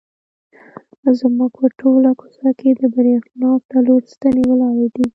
زموږ په ټوله کوڅه کې د برېښنا څلور ستنې ولاړې دي.